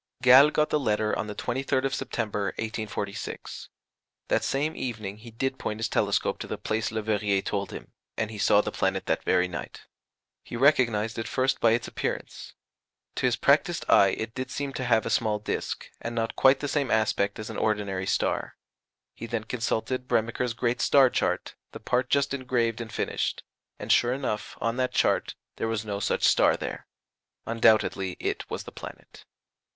Galle got the letter on the 23rd of September, 1846. That same evening he did point his telescope to the place Leverrier told him, and he saw the planet that very night. He recognized it first by its appearance. To his practised eye it did seem to have a small disk, and not quite the same aspect as an ordinary star. He then consulted Bremiker's great star chart, the part just engraved and finished, and sure enough on that chart there was no such star there. Undoubtedly it was the planet.